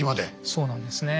そうなんですね。